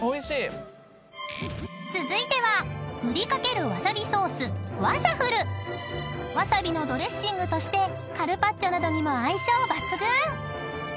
［続いてはふりかけるわさびソースワサフル］［わさびのドレッシングとしてカルパッチョなどにも相性抜群］